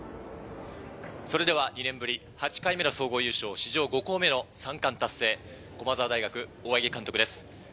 ２年ぶり８回目の総合優勝、史上５校目の３冠達成、駒澤大学・大八木監督です。